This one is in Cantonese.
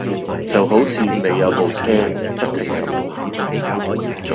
就好似你有部車，不停咁同人講